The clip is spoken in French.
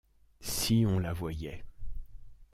Si on la voyait…